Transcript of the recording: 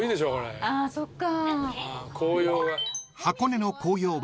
あそっか。